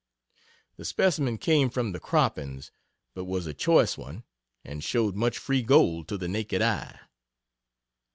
The specimen came from the croppings, but was a choice one, and showed much free gold to the naked eye.